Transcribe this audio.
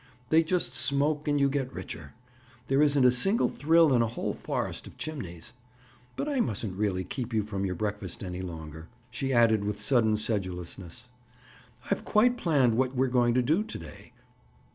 They just smoke and you get richer. There isn't a single thrill in a whole forest of chimneys. But I mustn't really keep you from your breakfast any longer," she added with sudden sedulousness. "I've quite planned what we're going to do to day."